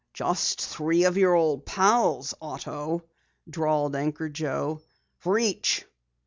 "Just three of your old pals, Otto," drawled Anchor Joe. "Reach!"